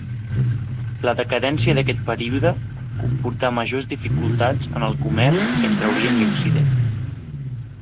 La decadència d'aquest període comportà majors dificultats en el comerç entre orient i occident.